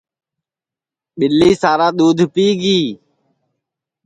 ٻِلی سارا دُؔودھ پِیگی